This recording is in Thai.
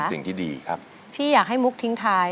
สิ่งที่ดีครับที่อยากให้มุกทิ้งท้าย